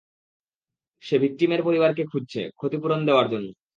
সে ভিক্টিমের পরিবারকে খুঁজছে, ক্ষতিপূরণ দেওয়ার জন্য।